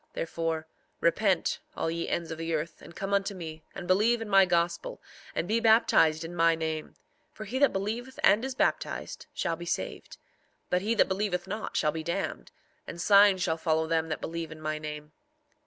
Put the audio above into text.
4:18 Therefore, repent all ye ends of the earth, and come unto me, and believe in my gospel, and be baptized in my name; for he that believeth and is baptized shall be saved; but he that believeth not shall be damned; and signs shall follow them that believe in my name.